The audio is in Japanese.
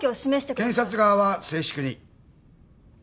検察側は静粛に。